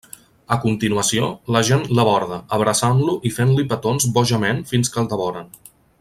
A continuació, la gent l'aborda, abraçant-lo i fent-li petons bojament fins que el devoren.